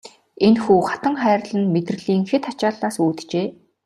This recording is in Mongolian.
Энэхүү хатанхайрал нь мэдрэлийн хэт ачааллаас үүджээ.